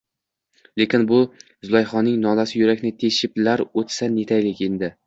Lekin, bu Zulayhoning nolasi yurakni teshiblar oʻtsa netaylik endi...